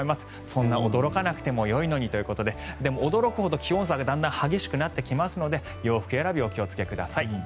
そんな驚かなくてもいいのにということででも驚くほど気温差がだんだん激しくなってきますので洋服選びお気をつけください。